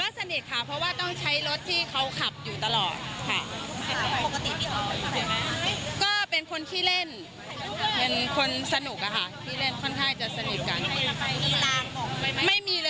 วันที่สุดท้ายก็จะมาเกิดเหตุการณ์แบบนี้